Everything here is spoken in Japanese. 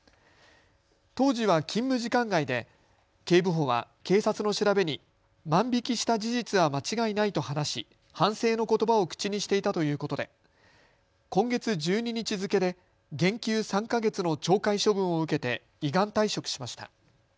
当時は勤務時間外で警部補は警察の調べに、万引きした事実は間違いないと話し反省のことばを口にしていたということで今月１２日付けで減給３か月の懲戒処分を受けて依願退職しました。